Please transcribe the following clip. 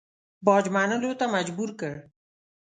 باج منلو ته مجبور کړ.